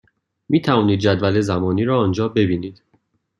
می توانید جدول زمانی را آنجا ببینید.